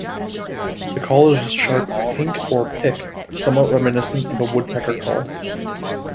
The call is a sharp "pink" or "pick", somewhat reminiscent of a woodpecker call.